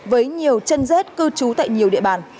với nhiều chân rết cư trú tại nhiều địa bàn